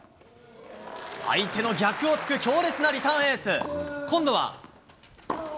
相手の逆をつく強烈なリターンエース。今度は。